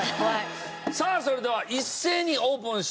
さあそれでは一斉にオープンしてもらいましょう。